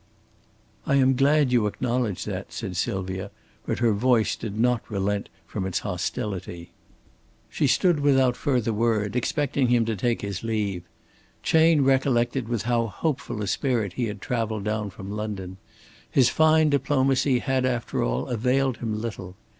"I am glad you acknowledge that," said Sylvia, but her voice did not relent from its hostility. She stood without further word, expecting him to take his leave. Chayne recollected with how hopeful a spirit he had traveled down from London. His fine diplomacy had after all availed him little.